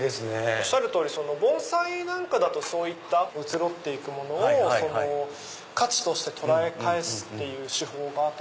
おっしゃる通り盆栽なんかだと移ろっていくものを価値として捉え返すっていう手法があって。